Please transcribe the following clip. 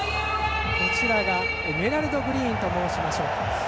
エメラルドグリーンと申しましょうか。